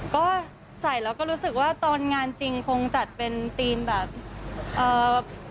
ก็ใส่แล้วก็รู้สึกว่าตอนงานจริงคงจัดเป็นธีมแบบเอ่อ